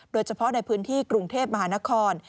โดยเฉพาะข้องในพื้นที่ของกรุงเทพฯมหานคร